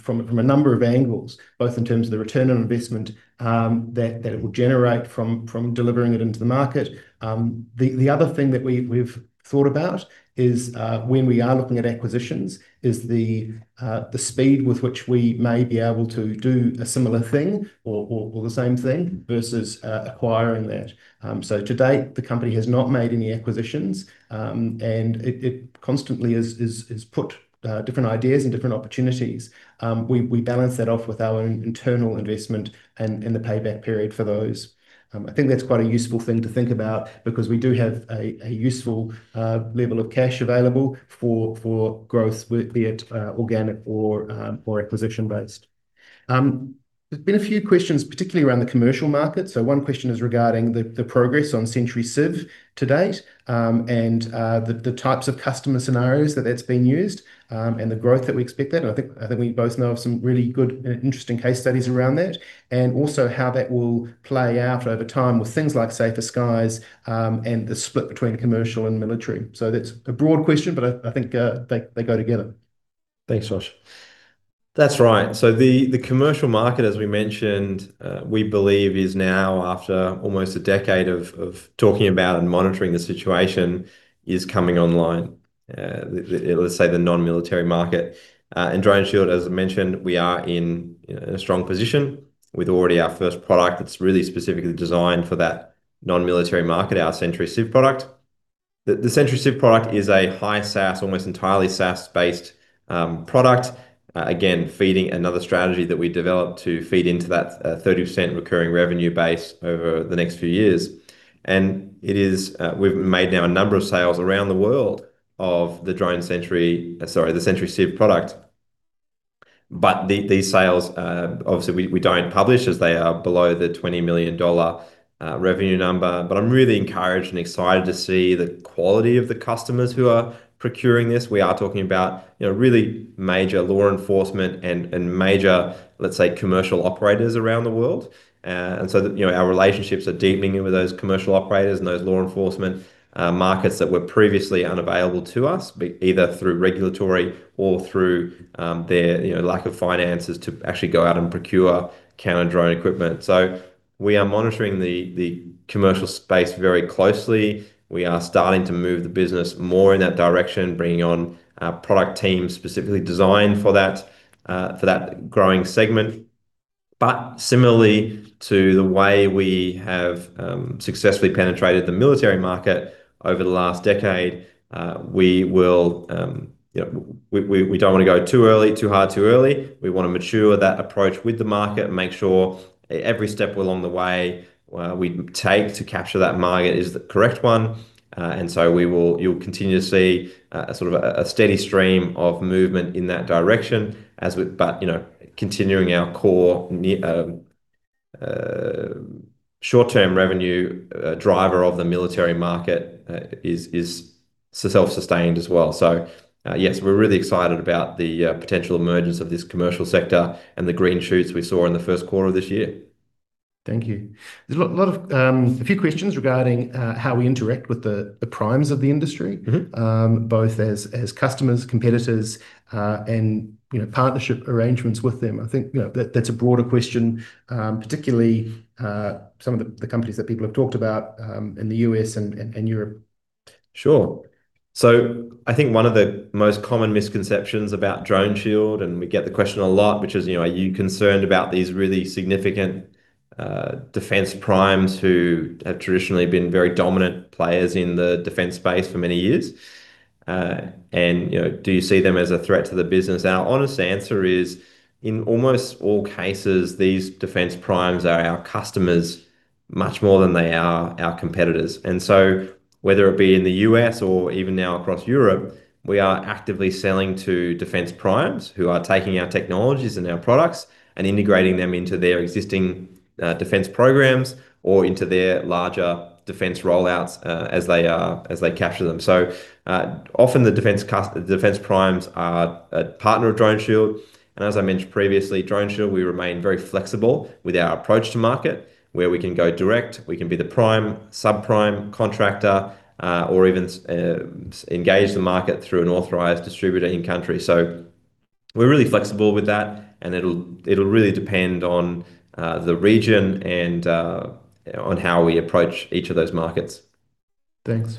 from a number of angles, both in terms of the return on investment that it will generate from delivering it into the market. The other thing that we've thought about is, when we are looking at acquisitions, is the speed with which we may be able to do a similar thing or the same thing versus acquiring that. To date, the company has not made any acquisitions. It constantly has put different ideas and different opportunities. We balance that off with our own internal investment and the payback period for those. I think that's quite a useful thing to think about because we do have a useful level of cash available for growth, be it organic or acquisition-based. There's been a few questions, particularly around the commercial market. One question is regarding the progress on SentryCiv today, and the types of customer scenarios that that's been used, and the growth that we expect there. I think we both know of some really good and interesting case studies around that, and also how that will play out over time with things like SAFER SKIES, and the split between commercial and military. That's a broad question, but I think they go together. Thanks, Josh. That's right. The commercial market, as we mentioned, we believe is now, after almost a decade of talking about and monitoring the situation, is coming online. Let's say the non-military market. In DroneShield, as I mentioned, we are in a strong position with already our first product that's really specifically designed for that non-military market, our SentryCiv product. The SentryCiv product is a high SaaS, almost entirely SaaS-based product. Again, feeding another strategy that we developed to feed into that 30% recurring revenue base over the next few years. We've made now a number of sales around the world of the SentryCiv product. These sales, obviously, we don't publish as they are below the 20 million dollar revenue number. I'm really encouraged and excited to see the quality of the customers who are procuring this. We are talking about really major law enforcement and major, let's say, commercial operators around the world. Our relationships are deepening with those commercial operators and those law enforcement markets that were previously unavailable to us, either through regulatory or through their lack of finances to actually go out and procure counter-drone equipment. We are monitoring the commercial space very closely. We are starting to move the business more in that direction, bringing on a product team specifically designed for that growing segment. Similarly to the way we have successfully penetrated the military market over the last decade, we don't want to go too hard, too early. We want to mature that approach with the market and make sure every step along the way we take to capture that market is the correct one. You'll continue to see a steady stream of movement in that direction. Continuing our core short-term revenue driver of the military market is self-sustained as well. Yes, we're really excited about the potential emergence of this commercial sector and the green shoots we saw in the first quarter of this year. Thank you. There's a few questions regarding how we interact with the primes of the industry. Mm-hmm. Both as customers, competitors, and partnership arrangements with them. I think that's a broader question, particularly, some of the companies that people have talked about in the U.S. and Europe. Sure. I think one of the most common misconceptions about DroneShield, and we get the question a lot, which is, are you concerned about these really significant defense primes who have traditionally been very dominant players in the defense space for many years? Do you see them as a threat to the business? Our honest answer is, in almost all cases, these defense primes are our customers much more than they are our competitors. Whether it be in the U.S. or even now across Europe, we are actively selling to defense primes who are taking our technologies and our products and integrating them into their existing defense programs or into their larger defense rollouts as they capture them. Often the defense primes are a partner of DroneShield. As I mentioned previously, DroneShield, we remain very flexible with our approach to market, where we can go direct, we can be the prime, subprime contractor, or even engage the market through an authorized distributor in country. We're really flexible with that, and it'll really depend on the region and on how we approach each of those markets. Thanks.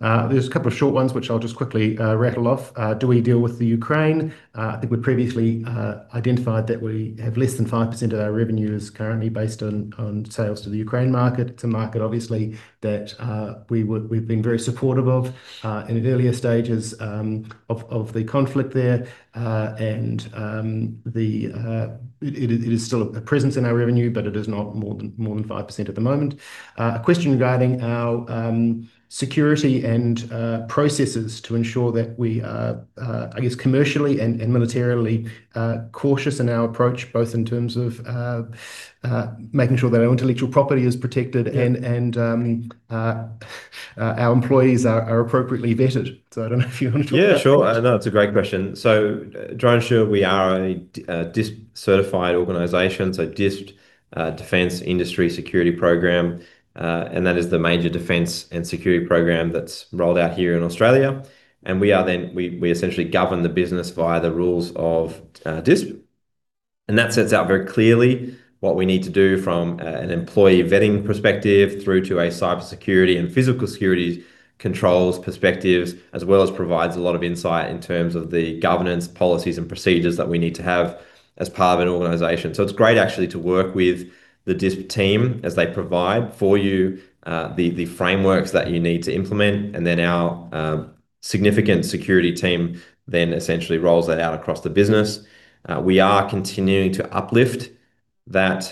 There's a couple of short ones which I'll just quickly rattle off. Do we deal with the Ukraine? I think we've previously identified that we have less than 5% of our revenues currently based on sales to the Ukraine market. It's a market, obviously, that we've been very supportive of in the earlier stages of the conflict there. It is still a presence in our revenue, but it is not more than 5% at the moment. A question regarding our security and processes to ensure that we are, I guess, commercially and militarily cautious in our approach, both in terms of making sure that our intellectual property is protected and our employees are appropriately vetted. I don't know if you want to talk about that. Yeah, sure. No, it's a great question. DroneShield, we are a DISP-certified organization, so DISP, Defense Industry Security Program, and that is the major defense and security program that's rolled out here in Australia. We essentially govern the business via the rules of DISP. That sets out very clearly what we need to do from an employee vetting perspective through to a cybersecurity and physical security controls perspectives, as well as provides a lot of insight in terms of the governance, policies, and procedures that we need to have as part of an organization. It's great actually to work with the DISP team as they provide for you the frameworks that you need to implement. Our significant security team then essentially rolls that out across the business. We are continuing to uplift that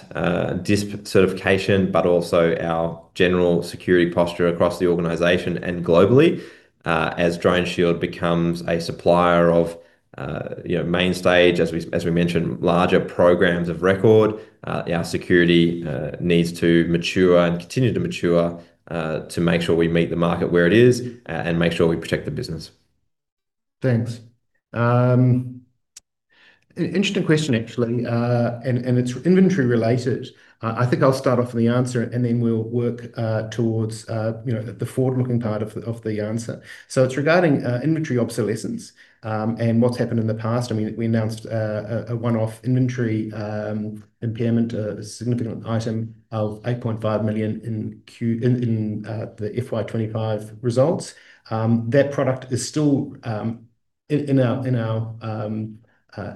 DISP certification, but also our general security posture across the organization and globally. As DroneShield becomes a supplier of [mainstage], as we mentioned, larger programs of record, our security needs to mature and continue to mature to make sure we meet the market where it is and make sure we protect the business. Thanks. Interesting question, actually, and it's inventory related. I think I'll start off with the answer and then we'll work towards the forward-looking part of the answer. It's regarding inventory obsolescence and what's happened in the past. I mean, we announced a one-off inventory impairment, a significant item of 8.5 million in the FY 2025 results. That product is still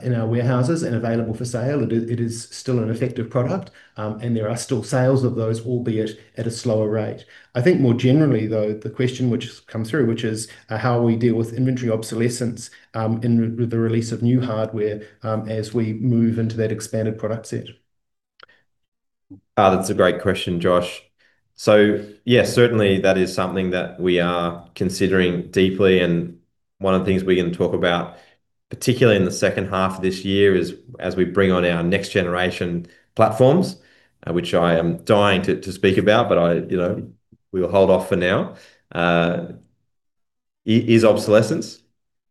in our warehouses and available for sale. It is still an effective product and there are still sales of those, albeit at a slower rate. I think more generally, though, the question which has come through, which is how we deal with inventory obsolescence in the release of new hardware as we move into that expanded product set. That's a great question, Josh. Yeah, certainly that is something that we are considering deeply, and one of the things we're going to talk about, particularly in the second half of this year, is as we bring on our next generation platforms, which I am dying to speak about, but we'll hold off for now, is obsolescence.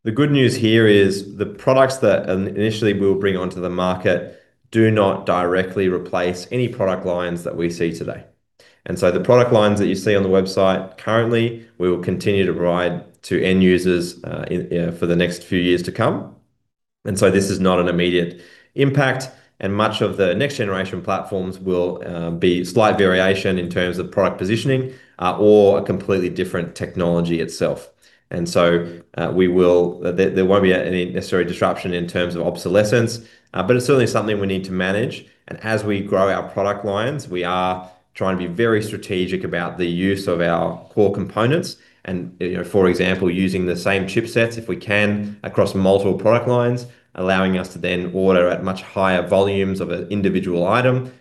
The good news here is the products that initially we'll bring onto the market do not directly replace any product lines that we see today. The product lines that you see on the website currently, we will continue to provide to end users for the next few years to come. This is not an immediate impact, and much of the next generation platforms will be slight variation in terms of product positioning or a completely different technology itself. There won't be any necessary disruption in terms of obsolescence. It's certainly something we need to manage. As we grow our product lines, we are trying to be very strategic about the use of our core components and, for example, using the same chipsets, if we can, across multiple product lines, allowing us to then order at much higher volumes of an individual item,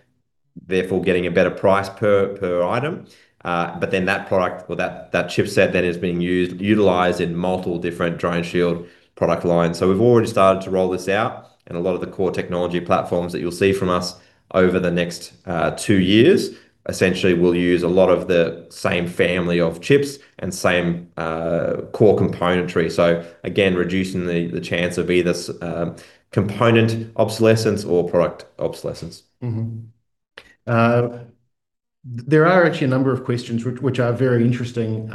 therefore getting a better price per item, that product or that chipset that is being utilized in multiple different DroneShield product lines. We've already started to roll this out, and a lot of the core technology platforms that you'll see from us over the next two years, essentially will use a lot of the same family of chips and same core componentry. Again, reducing the chance of either component obsolescence or product obsolescence. There are actually a number of questions which are very interesting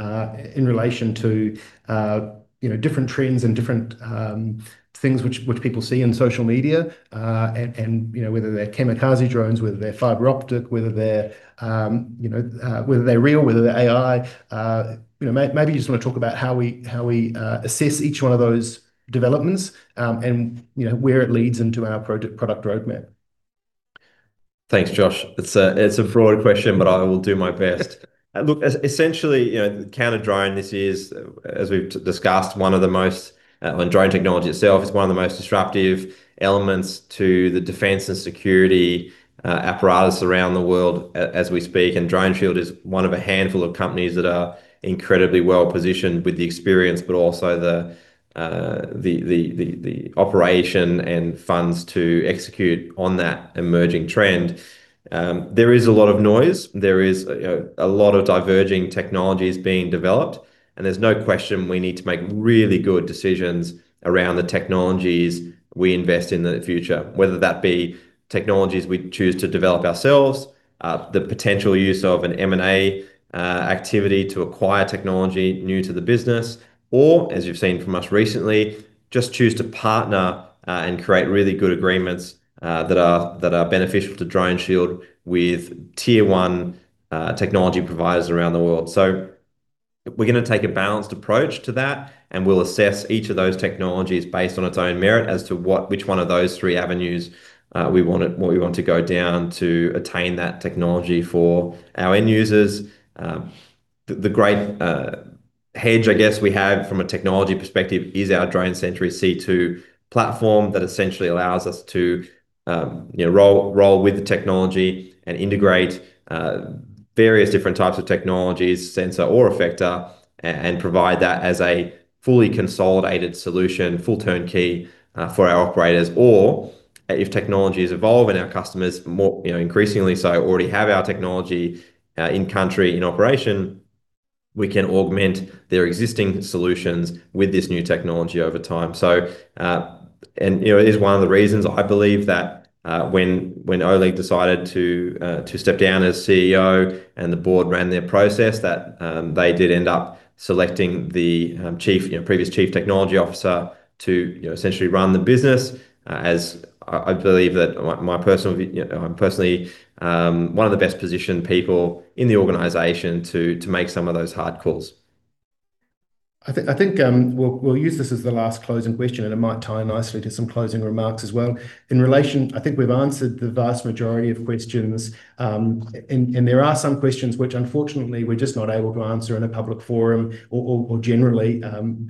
in relation to different trends and different things which people see in social media, and whether they're kamikaze drones, whether they're fiber optic, whether they're real, whether they're AI. Maybe you just want to talk about how we assess each one of those developments, and where it leads into our product roadmap. Thanks, Josh. It's a broad question, but I will do my best. Look, essentially, counter-drone, this is, as we've discussed, one of the most disruptive elements to the defense and security apparatus around the world as we speak. Drone technology itself is one of the most disruptive elements to the defense and security apparatus around the world as we speak. DroneShield is one of a handful of companies that are incredibly well-positioned with the experience, but also the operation and funds to execute on that emerging trend. There is a lot of noise. There is a lot of diverging technologies being developed. There's no question we need to make really good decisions around the technologies we invest in the future, whether that be technologies we choose to develop ourselves, the potential use of an M&A activity to acquire technology new to the business, or, as you've seen from us recently, just choose to partner and create really good agreements that are beneficial to DroneShield with tier one technology providers around the world. We're going to take a balanced approach to that, and we'll assess each of those technologies based on its own merit as to which one of those three avenues we want to go down to attain that technology for our end users. The great hedge, I guess we have from a technology perspective is our DroneSentry-C2 platform that essentially allows us to roll with the technology and integrate various different types of technologies, sensor or effector, and provide that as a fully consolidated solution, full turn-key for our operators. If technologies evolve and our customers more, increasingly so, already have our technology in country in operation, we can augment their existing solutions with this new technology over time. It is one of the reasons I believe that when Oleg decided to step down as CEO and the board ran their process, that they did end up selecting the previous Chief Technology Officer to essentially run the business as I believe that personally, one of the best positioned people in the organization to make some of those hard calls. I think we'll use this as the last closing question, and it might tie nicely to some closing remarks as well. In relation, I think we've answered the vast majority of questions. There are some questions which unfortunately we're just not able to answer in a public forum or generally,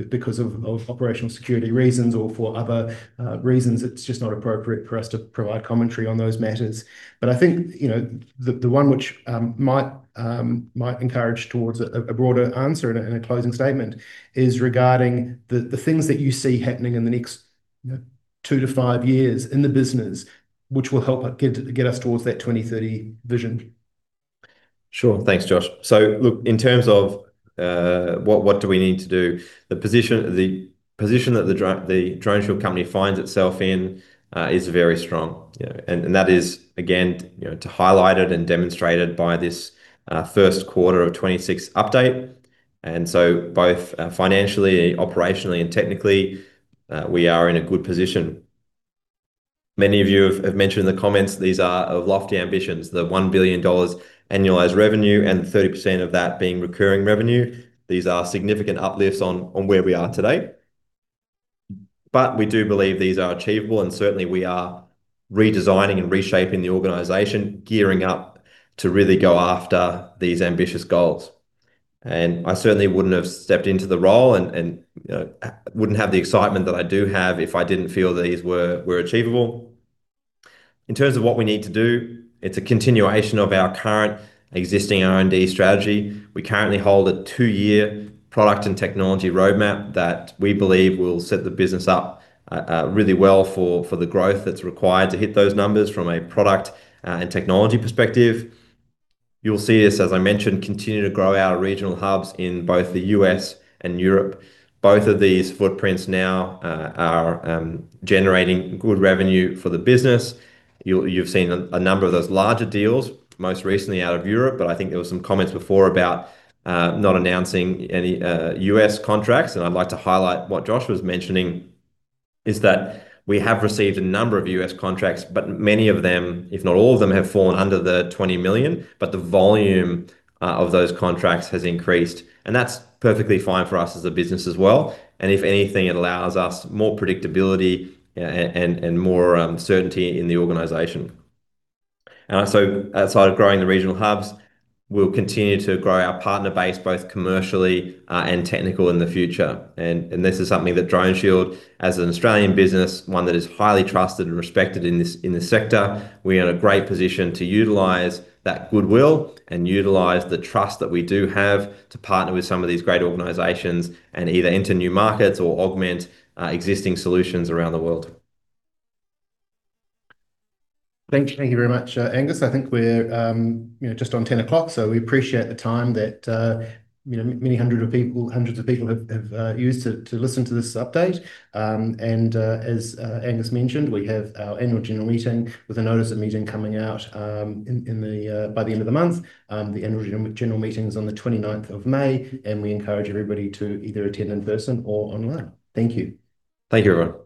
because of operational security reasons or for other reasons, it's just not appropriate for us to provide commentary on those matters. I think, the one which might encourage towards a broader answer and a closing statement is regarding the things that you see happening in the next two-five years in the business which will help get us towards that 2030 vision. Sure. Thanks, Josh. Look, in terms of what do we need to do. The position that the DroneShield company finds itself in is very strong. Yeah. That is again, to highlight it and demonstrate it by this first quarter of 2026 update. Both financially, operationally and technically, we are in a good position. Many of you have mentioned in the comments these are lofty ambitions. The 1 billion dollars annualized revenue and 30% of that being recurring revenue. These are significant uplifts on where we are today. We do believe these are achievable and certainly we are redesigning and reshaping the organization, gearing up to really go after these ambitious goals. I certainly wouldn't have stepped into the role and wouldn't have the excitement that I do have if I didn't feel these were achievable. In terms of what we need to do, it's a continuation of our current existing R&D strategy. We currently hold a two-year product and technology roadmap that we believe will set the business up really well for the growth that's required to hit those numbers from a product and technology perspective. You'll see us, as I mentioned, continue to grow our regional hubs in both the U.S. and Europe. Both of these footprints now are generating good revenue for the business. You've seen a number of those larger deals, most recently out of Europe, but I think there were some comments before about, not announcing any U.S. contracts, and I'd like to highlight what Josh was mentioning is that we have received a number of U.S. contracts, but many of them, if not all of them, have fallen under the $20 million. The volume of those contracts has increased, and that's perfectly fine for us as a business as well. If anything, it allows us more predictability and more certainty in the organization. Outside of growing the regional hubs, we'll continue to grow our partner base both commercially and technical in the future. This is something that DroneShield, as an Australian business, one that is highly trusted and respected in this sector, we are in a great position to utilize that goodwill and utilize the trust that we do have to partner with some of these great organizations and either enter new markets or augment existing solutions around the world. Thank you very much, Angus. I think we're just on 10:00 A.M. We appreciate the time that many hundreds of people have used to listen to this update. As Angus mentioned, we have our annual general meeting with a notice of meeting coming out by the end of the month. The annual general meeting is on the 29th of May, and we encourage everybody to either attend in person or online. Thank you. Thank you, everyone.